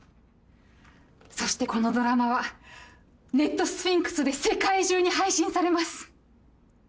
そしてこのドラマはネットスフィンクスで世界中に配信されます。